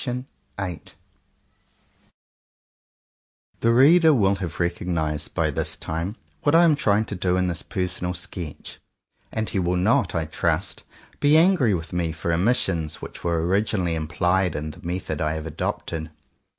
99 VIII THE READER will havc rccognized by this time what I am trying to do in this personal sketch, and he will not, I trust, be angry with me for omissions which were originally implied in the method I have adopted.